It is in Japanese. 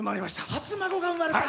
初孫が生まれた！